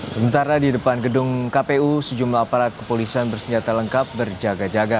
sementara di depan gedung kpu sejumlah aparat kepolisian bersenjata lengkap berjaga jaga